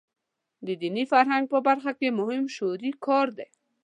د دیني فرهنګ په برخه کې مهم شعوري کار دی.